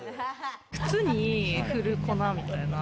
靴に振る粉みたいな。